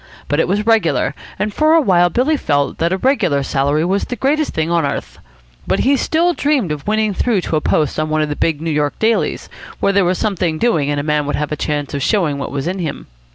But it was regular, and for a while Billy felt that a regular salary was the greatest thing on earth. But he still dreamed of winning through to a post on one of the big New York dailies, where there was something doing and a man would have a chance of showing what was in him.